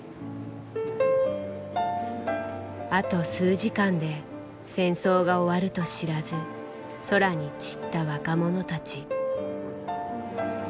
あと数時間で戦争が終わると知らず空に散った若者たち。